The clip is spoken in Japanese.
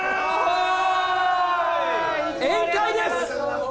宴会です。